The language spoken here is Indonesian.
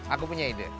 aku punya ide